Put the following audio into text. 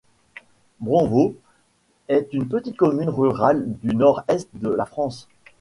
Bronvaux est une petite commune rurale du nord-est de la France.